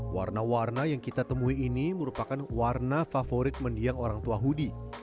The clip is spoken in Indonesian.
warna warna yang kita temui ini merupakan warna favorit mendiang orang tua hudi